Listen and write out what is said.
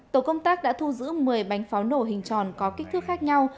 tổ công tác đã thu giữ một mươi bánh pháo nổ hình tròn có kích thước khác nhau